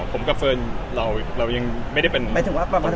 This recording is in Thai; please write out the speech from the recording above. อ๋อผมกับเฟิร์นเรายังไม่ได้เป็นตัวตรงอะไรกัน